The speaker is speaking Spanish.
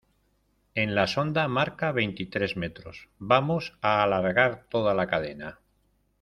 en la sonda marca veintitrés metros. vamos a alargar toda la cadena